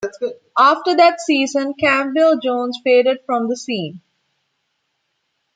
After that season, Campbell-Jones faded from the scene.